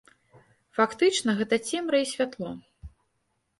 Фактычна, гэта цемра і святло.